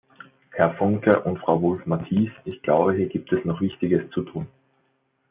Herr Funke und Frau Wulf-Mathies, ich glaube, hier gibt es noch Wichtiges zu tun.